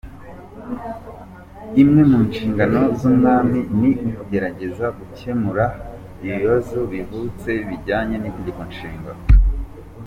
Imwe mu nshingano z'umwami, ni ukugerageza gucyemura ibibazo bivutse bijyanye n'itegekonshinga.